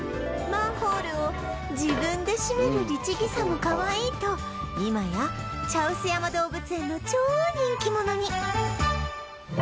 マンホールを自分で閉める律義さもかわいいと今や茶臼山動物園の超人気者に